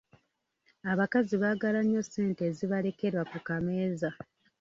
Abakazi baagala nnyo ssente ezibalekerwa ku kameeza.